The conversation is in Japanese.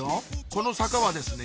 この坂はですね